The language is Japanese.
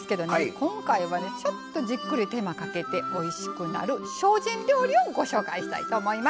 今回は、ちょっとじっくり手間をかけておいしくなる精進料理をご紹介したいと思います。